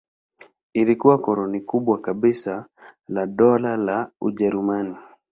Ilikuwa koloni kubwa kabisa la Dola la Ujerumani.